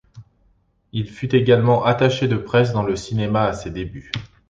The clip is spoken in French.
Il fut également attaché de presse dans le cinéma à ses débuts.